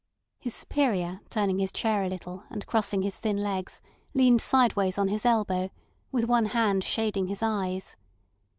His superior turning his chair a little, and crossing his thin legs, leaned sideways on his elbow, with one hand shading his eyes.